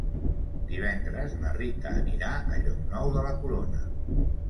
Divendres na Rita anirà a Llocnou de la Corona.